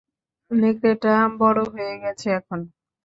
নেকড়েটা বড় হয়ে গেছে এখন।